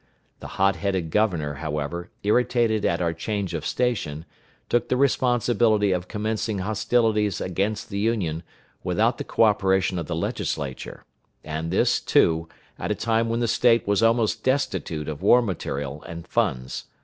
The hot headed governor, however, irritated at our change of station, took the responsibility of commencing hostilities against the Union, without the co operation of the Legislature, and this, too, at a time when the State was almost destitute of war material and funds.